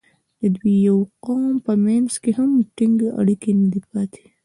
د دوی د یوه قوم په منځ کې هم ټینګ اړیکې نه دي پاتې.